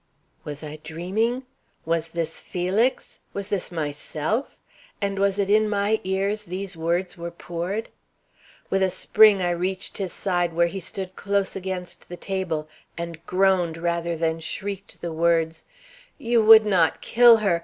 Was I dreaming? Was this Felix? Was this myself? And was it in my ears these words were poured? With a spring I reached his side where he stood close against the table, and groaned rather than shrieked the words: "You would not kill her!